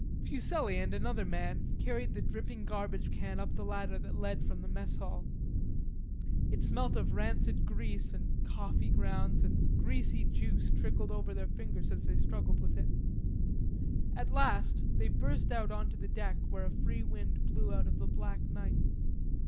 Fuselli and another man carried the dripping garbage can up the ladder that led up from the mess hall. It smelt of rancid grease and coffee grounds and greasy juice trickled over their fingers as they struggled with it. At last they burst out on to the deck where a free wind blew out of the black night.